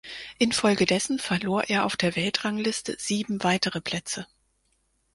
Infolgedessen verlor er auf der Weltrangliste sieben weitere Plätze.